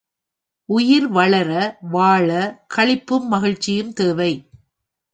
உயிர் வளர, வாழ களிப்பும் மகிழ்ச்சியும் தேவை.